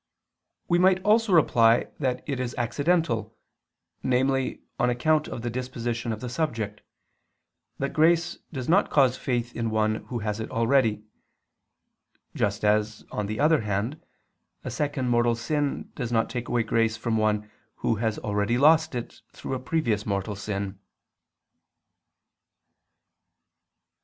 We might also reply that it is accidental, namely on account of the disposition of the subject, that grace does not cause faith in one who has it already: just as, on the other hand, a second mortal sin does not take away grace from one who has already lost it through a previous mortal sin.